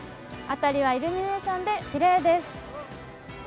辺りはイルミネーションできれいです。